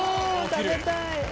食べたい！